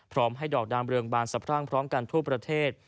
ให้ดอกดามเรืองบานสะพรั่งพร้อมกันทั่วประเทศ